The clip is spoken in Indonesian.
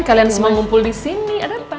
kalian semua ngumpul di sini ada apa